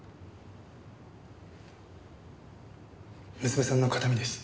娘さんの形見です。